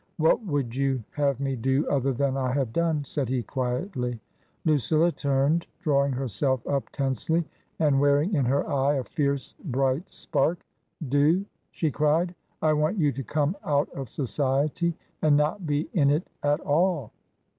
"What rwould you have me do other than I have done ?'* said he, quietly. Lucilla turned, drawing herself up tensely, and wear ing in her eye a fierce bright spark. "Do?" she cried. "I want you to come out of Society and not be in it at all.